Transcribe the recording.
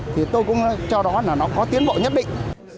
thì tôi cũng cho đó là nó có tiến bộ nhất định